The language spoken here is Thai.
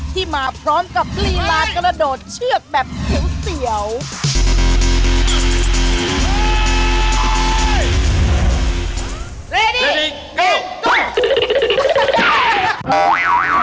ที่มาพร้อมกับรีลาดกระดดเชือกแบบเสี่ยวเสี่ยว